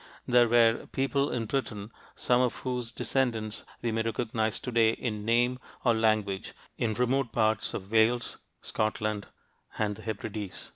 there were people in Britain, some of whose descendants we may recognize today in name or language in remote parts of Wales, Scotland, and the Hebrides.